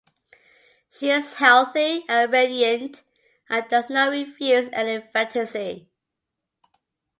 She is healthy and radiant and does not refuse any fantasy.